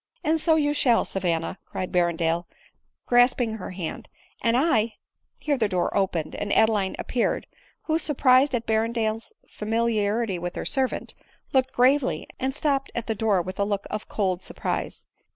" And so yotfshall, Savanna," cried Berrendale, grasp ing her hand, " and I —" here the door opened, and, Adeline appeared ; who, surprised at Berrendale's fami liarity with her servant, looked gravely, and stopped at the door with a look of cold surprise.